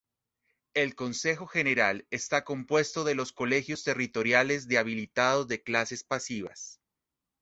El Consejo General está compuesto de los colegios territoriales de habilitados de clases pasivas.